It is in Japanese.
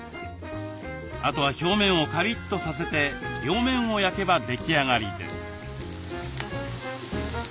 あとは表面をカリッとさせて両面を焼けば出来上がりです。